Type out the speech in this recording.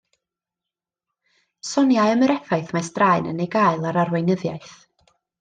Soniai am yr effaith mae straen yn ei gael ar arweinyddiaeth